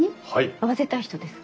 会わせたい人ですか？